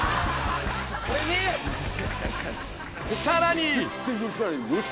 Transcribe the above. ［さらに］